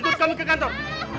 udah ikut kami ke kantor